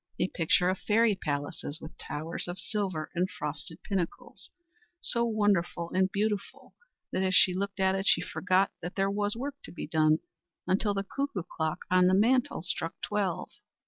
A picture of fairy palaces with towers of silver and frosted pinnacles, so wonderful and beautiful that as she looked at it she forgot that there was work to be done, until the cuckoo clock on the mantel struck twelve.